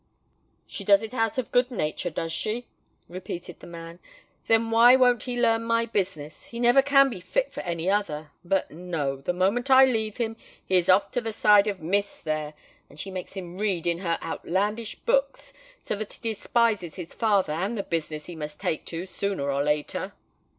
"She does it out of good nature, does she?" repeated the man: "then why won't he learn my business? He never can be fit for any other. But, no—the moment I leave him, he is off to the side of Miss there; and she makes him read in her outlandish books, so that he despises his father and the business that he must take to, sooner or later."